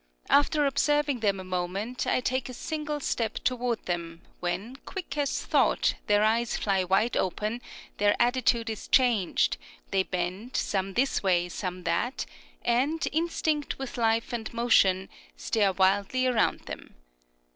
After observing them a moment I take a single step toward them, when, quick as thought, their eyes fly wide open, their attitude is changed, they bend, some this way, some that, and, instinct with life and motion, stare wildly around them.